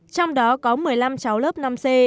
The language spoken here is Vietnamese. trong đó có một mươi năm cháu lớp năm c